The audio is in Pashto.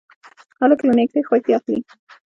هلک له نیکۍ خوښي اخلي.